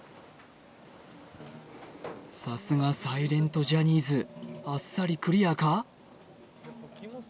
さすがサイレントジャニーズあっさりクリアか？